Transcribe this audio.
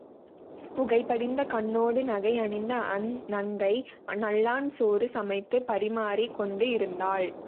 புகை படிந்த கண்ணோடு நகை அணிந்த அந் நங்கை நல்லாள் சோறு சமைத்துப் பரிமாறிக் கொண்டு இருந்தாள்.